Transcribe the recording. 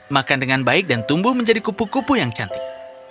makan dengan baik dan tumbuh menjadi kupu kupu yang cantik